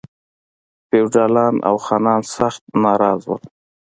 فیوډالان او خانان سخت ناراض ول.